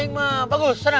ah ini mah bagus sana ya